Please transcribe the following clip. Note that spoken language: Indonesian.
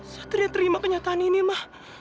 satria terima kenyataan ini mah